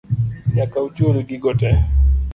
Nyaka uchul gigo tee